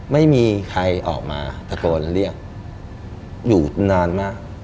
ไม่มีใครออกมาตะโกนเรียกอยู่นานมาก